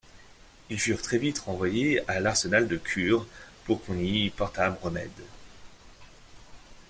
Ils furent très vite renvoyés à l'arsenal de Kure pour qu'on y portât remède.